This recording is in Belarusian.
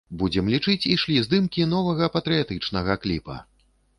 Будзем лічыць, ішлі здымкі новага патрыятычнага кліпа.